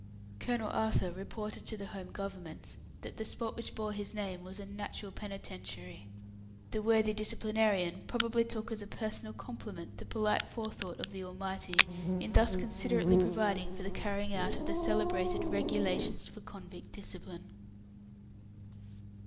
Colonel Arthur reported to the Home Government that the spot which bore his name was a "natural penitentiary". The worthy disciplinarian probably took as a personal compliment the polite forethought of the Almighty in thus considerately providing for the carrying out of the celebrated "Regulations for Convict Discipline".